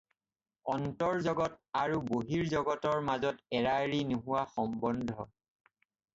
অন্তৰ্জ্জগত আৰু বহিৰ্জ্জগতৰ মাজত এৰাএৰি নোহোৱা সম্বন্ধ।